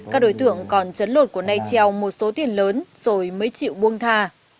các đối tượng còn chấn lột của nay chieu một số tiền lớn rồi mới chịu buông tha